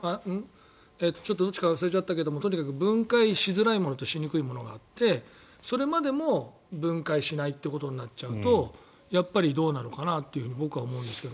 ちょっとどっちか忘れちゃったけどとにかく分解しやすいものとしづらいものがあってそれまでも分解しないとなっちゃうとどうなのかなと思うんですけど。